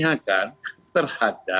jualan dari mana